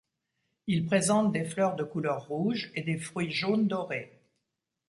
Il présente des fleurs de couleur rouge, et des fruits jaune-doré.